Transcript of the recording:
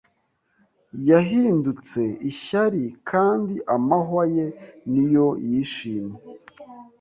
yahindutse ishyari Kandi amahwa ye niyo yishimye